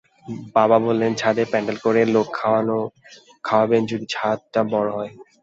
বাবা বললেন ছাদে প্যান্ডেল করে লোক খাওয়াবেন যদি ছাদটা বড় হয়।